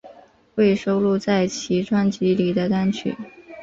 未收录在其专辑里的单曲